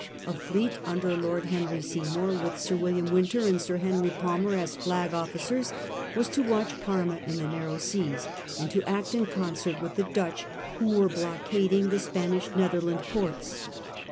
A fleet under Lord Henry Seymour, with Sir William Wynter and Sir Henry Palmer as flag ofl&cers, was to watch Parma in the narrow seas and to act in concert with the Dutch, who were blockading the Spanish Netherland ports.